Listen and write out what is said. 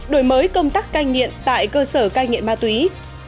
đổi mới công tắc cai nghiện tại cơ sở cai nghiện ba tuần